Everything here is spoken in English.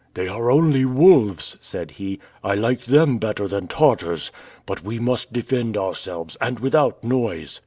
"They are only wolves!" said he. "I like them better than Tartars. But we must defend ourselves, and without noise!"